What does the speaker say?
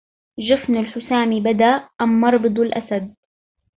جفن الحسام بدا أم مربض الأسد